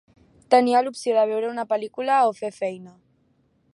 Tenia l'opció de veure una pel·lícula o fer feina.